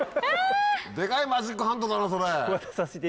デカいマジックハンドだなそれ。